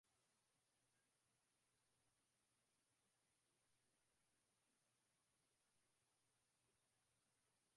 Kwake na dini ya Rastafari ambayo yeye alikuwa anaifuata